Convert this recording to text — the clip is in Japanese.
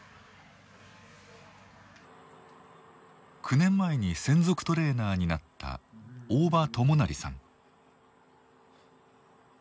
９年前に専属トレーナーになった大庭大業さん。